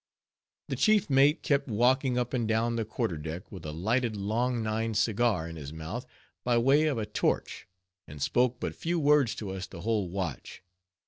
The chief mate kept walking up and down the quarter deck, with a lighted long nine cigar in his mouth by way of a torch; and spoke but few words to us the whole watch.